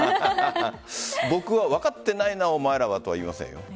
僕は分かってないな、お前らはとは言いませんよ。